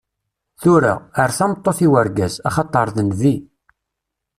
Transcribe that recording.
Tura, err tameṭṭut i wergaz, axaṭer d nnbi.